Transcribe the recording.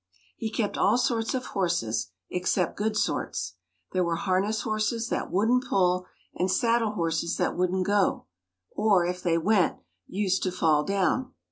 He kept all sorts of horses, except good sorts. There were harness horses, that wouldn't pull, and saddle horses that wouldn't go or, if they went, used to fall down.